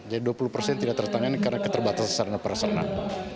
jadi dua puluh persen tidak tertangani karena keterbatasan perasaran